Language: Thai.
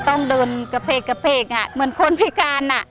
ต้องเดินกระเพกอะเหมือนคนพิการอะ